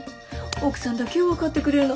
奥さんだけよ分かってくれるの。